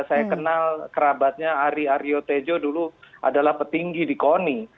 saya kenal kerabatnya ari ario tejo dulu adalah petinggi di koni